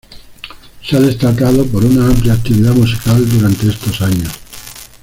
Se ha destacado por una amplia actividad musical durante estos años.